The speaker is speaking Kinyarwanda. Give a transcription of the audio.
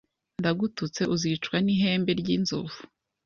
ndagututse uzicwa n'ihembe ry' inzovu.